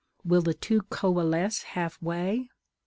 Will the two coalesce half way?